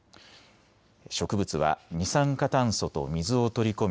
植物は二酸化炭素と水を取り込み